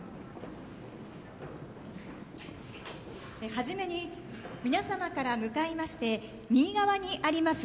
初めに、皆様から向かいまして右側にあります